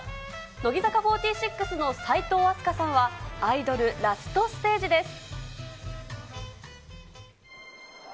乃木坂４６の齋藤飛鳥さんは、アイドルラストステージです。